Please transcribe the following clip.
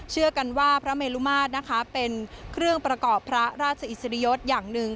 เชื่อกันว่าพระเมลุมาตรนะคะเป็นเครื่องประกอบพระราชอิสริยยศอย่างหนึ่ง